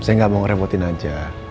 saya nggak mau ngerepotin aja